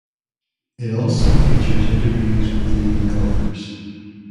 It also features interviews with leading golfers.